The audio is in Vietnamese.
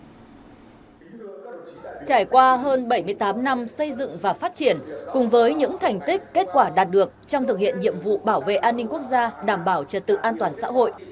trải qua hơn bảy mươi tám năm xây dựng và phát triển cùng với những thành tích kết quả đạt được trong thực hiện nhiệm vụ bảo vệ an ninh quốc gia đảm bảo trật tự an toàn xã hội